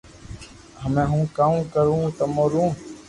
ھمي ھون ڪاو ڪرو تمو رو